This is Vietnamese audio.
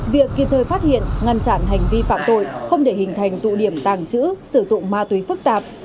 việc kịp thời phát hiện ngăn chặn hành vi phạm tội không để hình thành tụ điểm tàng trữ sử dụng ma túy phức tạp